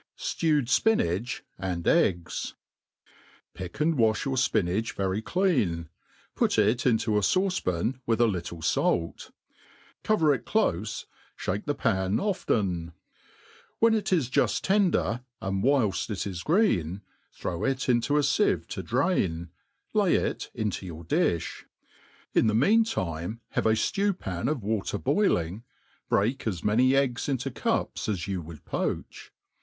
Stewed Spinach and Eggs, PICK and wa(h your fpinach very clean, put it into a fauce pan, with a little fait; cover itclofe, (bake the pan often. When it is juft tender, and whilft it is greei^^ throw it intq a fieve to drain, lay it into your dlQi* In the mean time have a. ftew pan of water boiling, break as many eggs into cups as you^ would poach.